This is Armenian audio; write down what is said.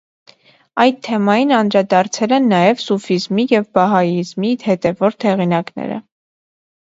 Այդ թեմային անդրադարձել են նաև սուֆիզմի և բահայիզմի հետևորդ հեղինակները։